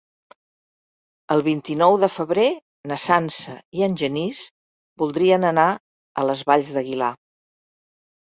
El vint-i-nou de febrer na Sança i en Genís voldrien anar a les Valls d'Aguilar.